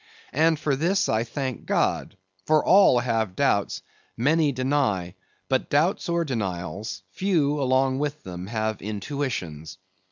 And for this I thank God; for all have doubts; many deny; but doubts or denials, few along with them, have intuitions.